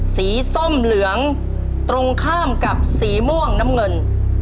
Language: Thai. ส้มเหลืองตรงข้ามกับสีม่วงน้ำเงิน